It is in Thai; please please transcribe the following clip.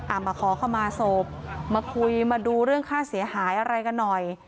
มาขอเข้ามาศพมาคุยมาดูเรื่องค่าเสียหายอะไรกันหน่อย